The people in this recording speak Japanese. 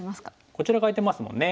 こちらが空いてますもんね。